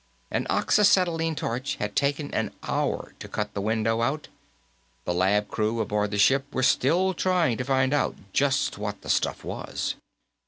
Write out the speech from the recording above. An oxyacetylene torch had taken an hour to cut the window out; the lab crew, aboard the ship, were still trying to find out just what the stuff was.